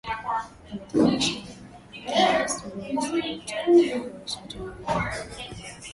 Imetayarishwa na Kennes Bwire, Sauti ya Amerika, Washington wilaya ya Colombia.